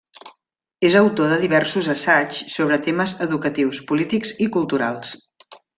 És autor de diversos assaigs sobre temes educatius, polítics i culturals.